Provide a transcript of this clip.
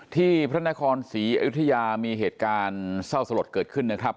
พระนครศรีอยุธยามีเหตุการณ์เศร้าสลดเกิดขึ้นนะครับ